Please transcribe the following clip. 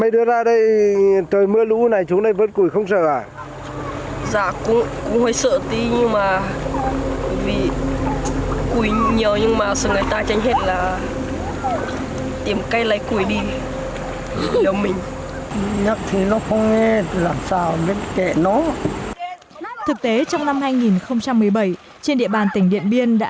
thực tế trong năm hai nghìn một mươi bảy trên địa bàn tỉnh điện biên đã có không ít trường hợp tử vong do vất